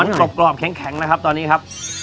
มันกรอบแข็งนะครับตอนนี้ครับ